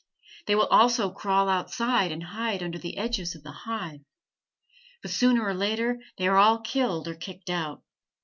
They will also crawl outside and hide under the edges of the hive. But sooner or later they are all killed or kicked out.